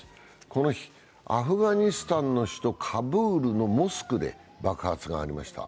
この日、アフガニスタンの首都カブールのモスクで爆発がありました。